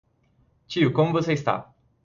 Tio como você está?